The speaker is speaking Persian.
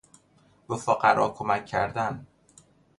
به فقرا کمک کردن